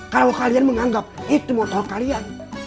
kalau kalian menganggap itu motor kalian